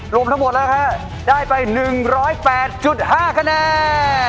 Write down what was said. รวมทั้งหมดแล้วฮะได้ไป๑๐๘๕คะแนน